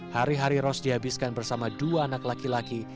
hari hari ros dihabiskan bersama dua anak laki laki